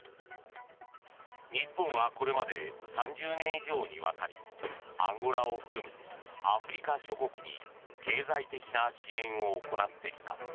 日本はこれまで３０年以上にわたりアンゴラを含むアフリカ諸国に経済的な支援を行ってきた。